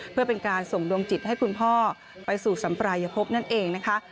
เพื่อเป็นการส่งดวงจิตให้คุณพ่อไปสู่สัมปรายภพนั่นเองนะคะ